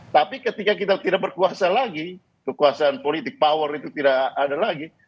tapi ketika kita tidak berkuasa lagi kekuasaan politik power itu tidak ada lagi